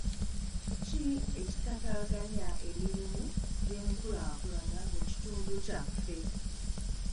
Ki ekitaataaganya emirimu gy'enkulaakulana mu kitundu kyaffe?